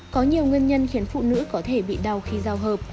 có nhiều nguyên nhân khiến phụ nữ có thể bị đau khi giao hợp